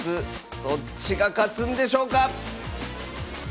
どっちが勝つんでしょうか！